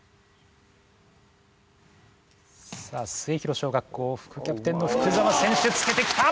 さあ末広小学校副キャプテンの福澤選手つけてきた！